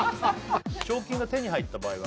賞金が手に入った場合は？